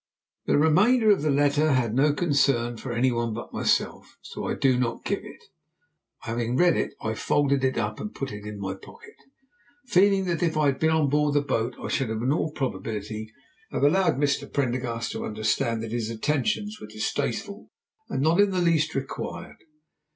The remainder of the letter had no concern for any one but myself, so I do not give it. Having read it I folded it up and put it in my pocket, feeling that if I had been on board the boat I should in all probability have allowed Mr. Prendergast to understand that his attentions were distasteful and not in the least required.